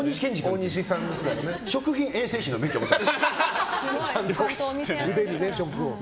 食品衛生士の免許持ってる。